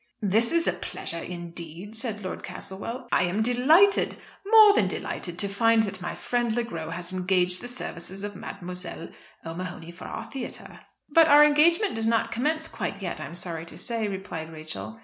"This is a pleasure indeed," said Lord Castlewell. "I am delighted more than delighted, to find that my friend Le Gros has engaged the services of Mademoiselle O'Mahony for our theatre." "But our engagement does not commence quite yet, I am sorry to say," replied Rachel.